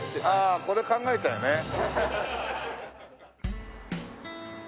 ああこれ考えたよね。